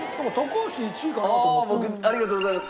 ありがとうございます。